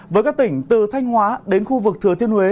với các tỉnh từ thanh hóa đến khu vực thừa thiên huế